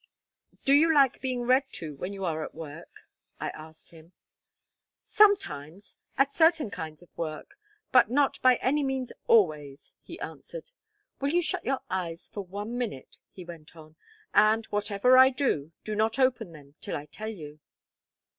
"Do you like being read to when you are at work?" I asked him. "Sometimes, at certain kinds of work, but not by any means always," he answered. "Will you shut your eyes for one minute," he went on, "and, whatever I do, not open them till I tell you?"